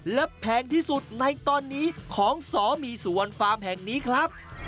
และแพงที่สุดในตอนนี้ของสมีสวนฟาร์มแห่งนี้ครับ